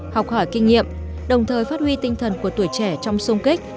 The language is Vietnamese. học hỏi kinh nghiệm đồng thời phát huy tinh thần của tuổi trẻ trong sung kích